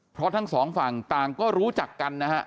เพราะทั้งสองฝั่งต่างก็รู้จักกันนะฮะ